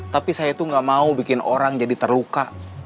tapi saya itu gak mau bikin orang jadi terluka